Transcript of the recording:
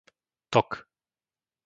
Tok